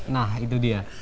nah itu dia